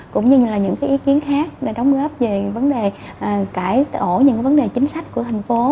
cũng như là những ý kiến khác đã đóng góp về vấn đề cải tổ những vấn đề chính sách của thành phố